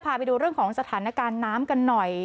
พาไปดูเรื่องของสถานการณ์น้ำกันหน่อย